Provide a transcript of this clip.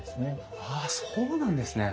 ああそうなんですね！